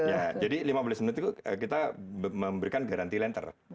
ya jadi lima belas menit itu kita memberikan garanti lenter